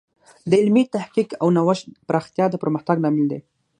د علمي تحقیق او نوښت پراختیا د پرمختګ لامل دی.